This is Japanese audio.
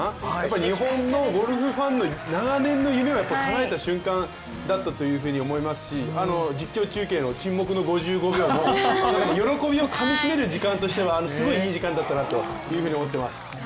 日本のゴルフファンの長年の夢をかなえた瞬間だったと思いますし実況中継の沈黙の５５秒も喜びをかみしめる時間としてはすごいいい時間だったなというふうに思っています。